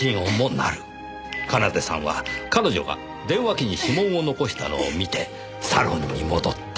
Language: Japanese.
奏さんは彼女が電話機に指紋を残したのを見てサロンに戻った。